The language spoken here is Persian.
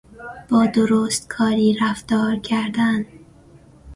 با درستکاری رفتار کردن